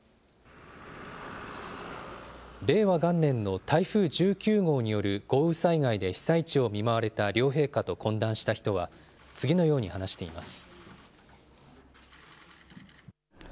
令和元年の台風１９号による豪雨災害で被災地を見舞われた両陛下と懇談した人は、次のように話しています。